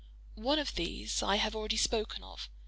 One of these I have already spoken of.